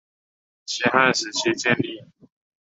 西汉时期建立。